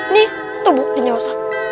nih tuh buktinya ustadz